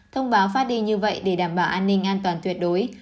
thông báo phát đi như vậy để đảm bảo an ninh an toàn tuyệt đối